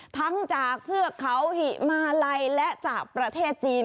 ทั้งจากเทือกเขาหิมาลัยและจากประเทศจีน